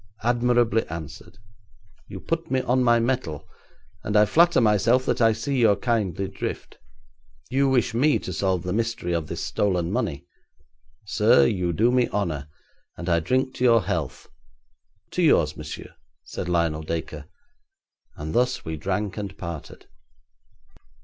Admirably answered. You put me on my mettle, and I flatter myself that I see your kindly drift. You wish me to solve the mystery of this stolen money. Sir, you do me honour, and I drink to your health.' 'To yours, monsieur,' said Lionel Dacre, and thus we drank and parted.